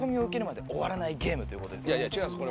いやいや違うんです。